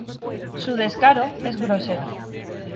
Su descaro es grosero".